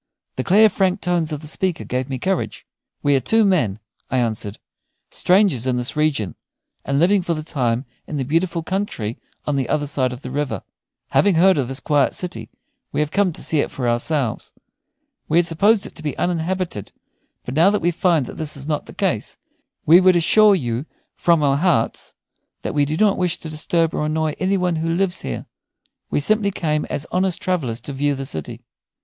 The clear, frank tones of the speaker gave me courage. "We are two men," I answered, "strangers in this region, and living for the time in the beautiful country on the other side of the river. Having heard of this quiet city, we have come to see it for ourselves. We had supposed it to be uninhabited, but now that we find that this is not the case, we would assure you from our hearts that we do not wish to disturb or annoy any one who lives here. We simply came as honest travellers to view the city."